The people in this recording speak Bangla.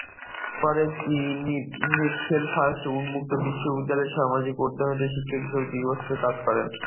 পরে তিনি বেলফাস্টে উন্মুক্ত বিশ্ববিদ্যালয়ের সামাজিক অধ্যয়নের শিক্ষক হিসেবে দুই বছর কাজ করেন।